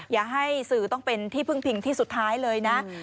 อย่าให้สื่อต้องเป็นที่พึ่งพิงที่สุดท้ายเลยนะ